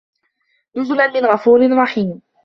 نُزُلًا مِن غَفورٍ رَحيمٍ